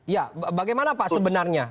ya bagaimana pak sebenarnya